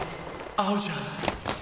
合うじゃん！！